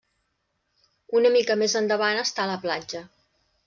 Una mica més endavant està la platja.